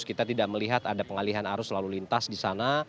kita tidak melihat ada pengalihan arus lalu lintas di sana